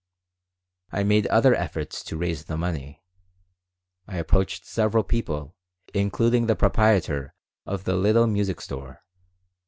I made other efforts to raise the money. I approached several people, including the proprietor of the little music store.